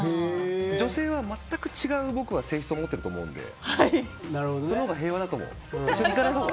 女性は全く違う性質を持ってると思うのでそのほうが平和だと思う。